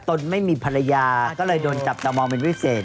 ตนไม่มีภรรยาก็เลยโดนจับตามองเป็นพิเศษ